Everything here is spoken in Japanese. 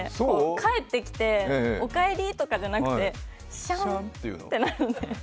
帰ってきておかえりとかじゃなくて、シャンってなるの。